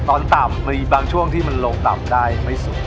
โลคตำได้ไม่สุด